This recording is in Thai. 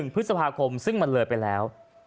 พฤษภาคมซึ่งมันเลยไปแล้ว